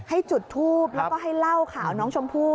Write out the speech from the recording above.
จุดทูปแล้วก็ให้เล่าข่าวน้องชมพู่